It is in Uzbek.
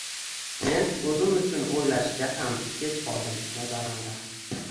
Men o`zim uchun o`ylashga ham kech qoldim, nazarimda